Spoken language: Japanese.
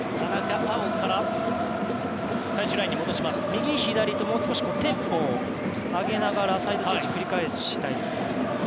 右左とテンポを上げながらサイドチェンジを繰り返したいですね。